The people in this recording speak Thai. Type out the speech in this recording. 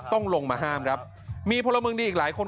ต้องลงมาห้ามครับมีพลเมืองดีอีกหลายคน